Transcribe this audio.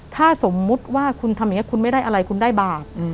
ถ้าสมมุติว่าคุณทำอย่างนี้คุณไม่ได้อะไรคุณได้บาป